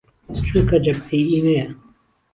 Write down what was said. چونکه جهبعەی ئيمەيه